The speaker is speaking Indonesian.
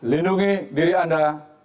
lindungi diri anda